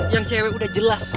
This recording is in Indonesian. yang cewek udah jelas